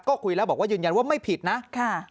ก็คุยแล้วบอกว่ายืนยันว่าไม่ผิดนะค่ะ